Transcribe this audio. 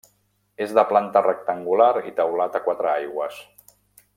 És de planta rectangular i teulat a quatre aigües.